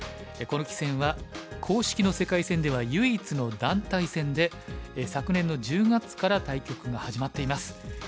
この棋戦は公式の世界戦では唯一の団体戦で昨年の１０月から対局が始まっています。